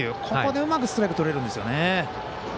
ここでうまくストライクとれるんですよね。